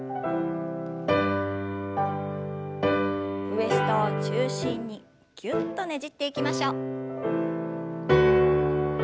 ウエストを中心にぎゅっとねじっていきましょう。